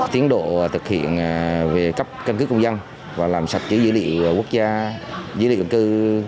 tiến độ thực hiện về cấp căn cứ công dân và làm sạch dữ liệu quốc gia dữ liệu cư